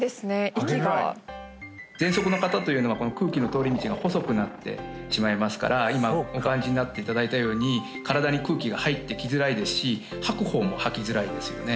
息が喘息の方というのはこの空気の通り道が細くなってしまいますから今お感じになっていただいたように身体に空気が入ってきづらいですし吐く方も吐きづらいですよね